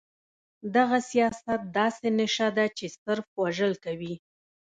دغه سياست داسې نيشه ده چې صرف وژل کوي.